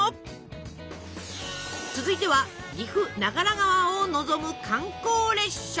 続いては岐阜長良川を望む観光列車。